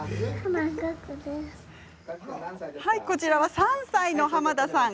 こちら、３歳の濱田さん。